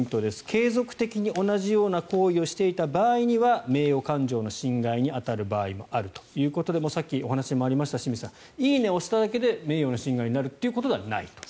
継続的に同じような行為をしていた場合には名誉感情の侵害に当たる場合もあるということでさっきお話にもありましたが清水さん「いいね」を押しただけで名誉の侵害になるということではないと。